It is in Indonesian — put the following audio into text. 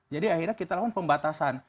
jadi akhirnya kita lakukan pembatasan